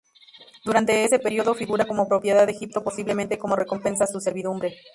Durante ese periodo, figura como propiedad de Egipto, posiblemente como recompensa a su servidumbre.